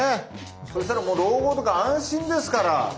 そうしたらもう老後とか安心ですから。